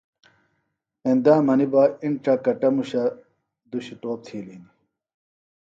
ایندا منیۡ بہ اِنڇہ کٹموشہ دُشیۡ ٹوپ تِھیلیۡ ہنیۡ